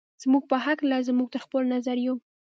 زموږ په هکله زموږ تر خپلو نظریو.